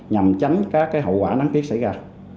nhằm tránh các hậu quả nắng kiếp xảy ra